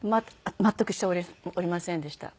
全くしておりませんでした。